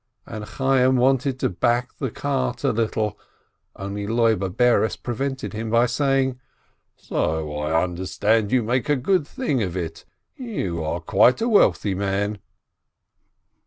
and Chayyim wanted to back the cart a little, only Loibe Bares prevented him by saying : "So I understand you make a good thing of it, you are quite a wealthy man."